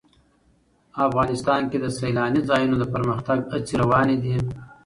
افغانستان کې د سیلاني ځایونو د پرمختګ هڅې روانې دي.